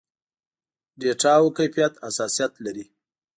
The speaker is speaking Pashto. ډېټاوو کيفيت حساسيت لري.